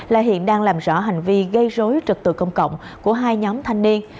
là hiện đang làm rõ hành vi gây rối trực tự công cộng của hai nhóm thanh niên